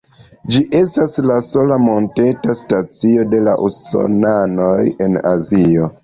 Ĝi estis la sola monteta stacio de la Usonanoj en Azio.